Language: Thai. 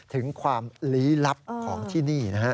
ถึงความลี้ลับของที่นี่นะฮะ